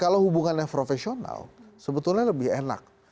kalau hubungannya profesional sebetulnya lebih enak